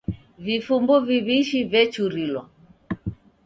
Vifumbu viw'ishi vechurilwa.